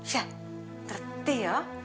ya ternyata ya